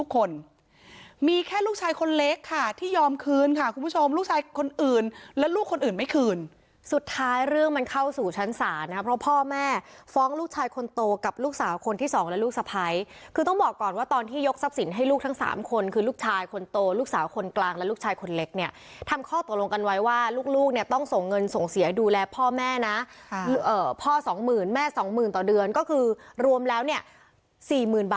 คนอื่นและลูกคนอื่นไม่คืนสุดท้ายเรื่องมันเข้าสู่ชั้นศาสตร์นะเพราะพ่อแม่ฟ้องลูกชายคนโตกับลูกสาวคนที่สองและลูกสะพ้ายคือต้องบอกก่อนว่าตอนที่ยกทรัพย์สินให้ลูกทั้งสามคนคือลูกชายคนโตลูกสาวคนกลางและลูกชายคนเล็กเนี่ยทำข้อตกลงกันไว้ว่าลูกเนี่ยต้องส่งเงินส่งเสียดูแลพ่อแม่นะพ่